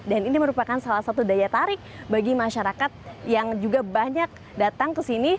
dan ini merupakan salah satu daya tarik bagi masyarakat yang juga banyak datang kesini